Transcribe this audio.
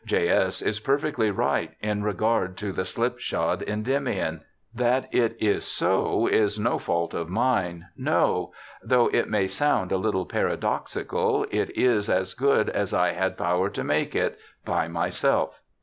J. S. is perfectly right in regard to the slipshod Endymion. That it is so is no fault of mine. No !— though it may sound a little paradoxical, it is as good as I had power to make it— by myself.'